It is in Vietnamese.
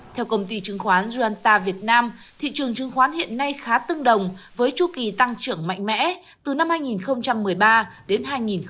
theo công ty chứng khoán ruanta việt nam thị trường chứng khoán hiện nay khá tương đồng với chu kỳ tăng trưởng mạnh mẽ từ năm hai nghìn một mươi ba đến hai nghìn một mươi bảy